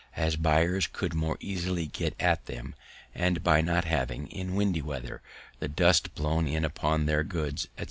as buyers could more easily get at them; and by not having, in windy weather, the dust blown in upon their goods, etc.